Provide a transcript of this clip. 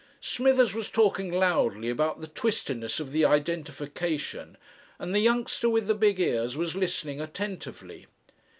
Smithers was talking loudly about the "twistiness" of the identification, and the youngster with the big ears was listening attentively.